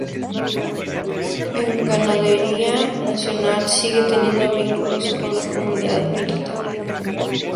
La Gendarmería Nacional sigue teniendo vínculos con la comunidad militar.